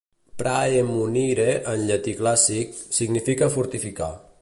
"Praemunire", en llatí clàssic, significa "fortificar".